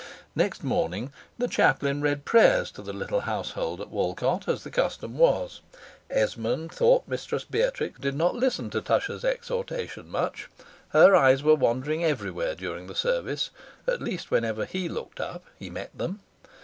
Next morning the chaplain read prayers to the little household at Walcote, as the custom was; Esmond thought Mistress Beatrix did not listen to Tusher's exhortation much: her eyes were wandering everywhere during the service, at least whenever he looked up he met them.